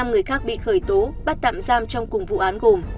năm người khác bị khởi tố bắt tạm giam trong cùng vụ án gồm